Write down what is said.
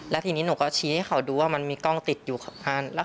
แล้วทีนี้หนูก็ชี้ให้เขาดูว่ามันมีกล้องติดอยู่